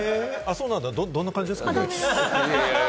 どんな感じですか？